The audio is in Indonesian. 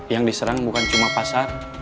yang diserang bukan cuma pasar